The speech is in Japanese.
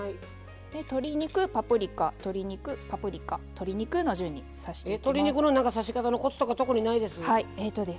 鶏肉、パプリカ、鶏肉、パプリカ鶏肉の順に刺していきます。